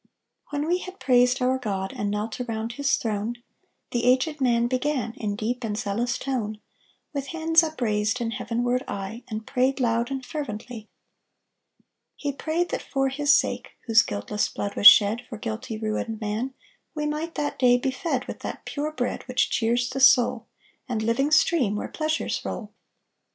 When we had praised our God, And knelt around His throne, The aged man began In deep and zealous tone, With hands upraised And heavenward eye, And prayed loud And fervently: He prayed that for His sake, Whose guiltless blood was shed For guilty ruined man, We might that day be fed With that pure bread Which cheers the soul, And living stream, Where pleasures roll.